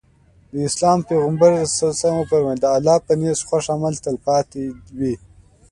د اسلام پيغمبر ص وفرمايل د الله په نزد خوښ عمل تلپاتې وي.